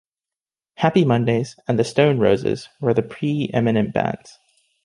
Happy Mondays, and The Stone Roses were the pre-eminent bands.